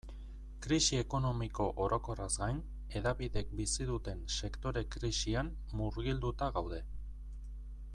Krisi ekonomiko orokorraz gain, hedabideek bizi duten sektore-krisian murgilduta gaude.